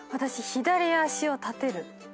左足を立てる⁉